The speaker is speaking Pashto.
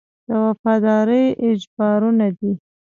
د وفادارۍ اجبارونه دي.